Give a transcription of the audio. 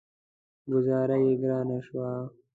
ګوذاره يې ګرانه شوه.